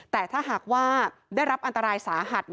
แต่ถ้าหากว่าได้รับอันตรายสาหัส